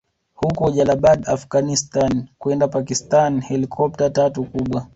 huko Jalalabad Afghanistan kwenda Pakistan Helikopta tatu kubwa